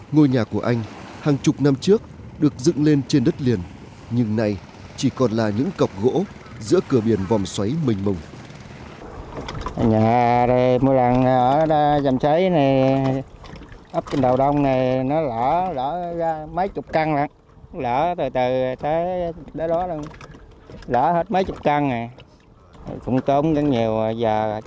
ngôi nhà của anh hàng chục năm trước được dựng lên trên đất liền nhưng nay chỉ còn là những cọc gỗ giữa cửa biển vòm xoáy mênh mùng